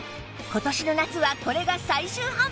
今年の夏はこれが最終販売！